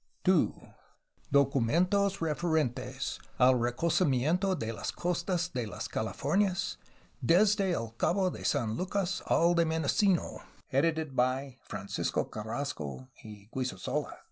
2. Documentos referenfes cH recon ocimiento de las costas de las Calif omias desde el Cabo de San Lucas al de Mendocino, ed, by Francisco Carrasco y Guisa sola.